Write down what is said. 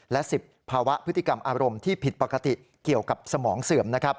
และ๑๐ภาวะพฤติกรรมอารมณ์ที่ผิดปกติเกี่ยวกับสมองเสื่อม